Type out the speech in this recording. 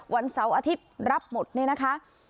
วันเช้าอาทิตย์รับหมดนี่นะคะ